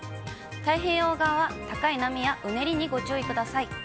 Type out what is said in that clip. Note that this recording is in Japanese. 太平洋側は高い波やうねりにご注意ください。